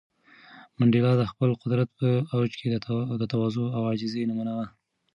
منډېلا د خپل قدرت په اوج کې د تواضع او عاجزۍ نمونه و.